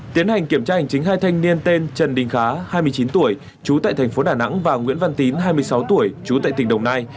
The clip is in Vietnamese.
tiến hành kiểm tra hành chính hai thanh niên tên trần đình khá hai mươi chín tuổi trú tại thành phố đà nẵng và nguyễn văn tín hai mươi sáu tuổi chú tại tỉnh đồng nai